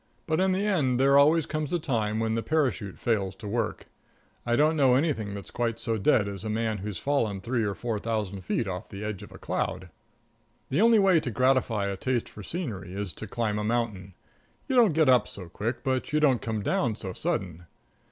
But in the end there always comes a time when the parachute fails to work. I don't know anything that's quite so dead as a man who's fallen three or four thousand feet off the edge of a cloud. The only way to gratify a taste for scenery is to climb a mountain. You don't get up so quick, but you don't come down so sudden.